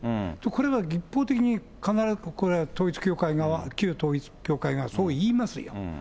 これは一方的に必ずこれは統一教会側、旧統一教会側、そう言いますよ。